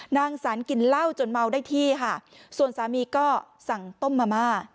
นางสรรกินเหล้าจนเมาได้ที่ค่ะส่วนสามีก็สั่งต้มมะม่า